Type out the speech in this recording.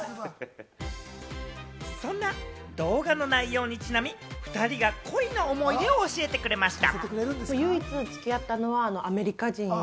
そんな動画の内容にちなみ、２人が恋の思い出を教えてくれました。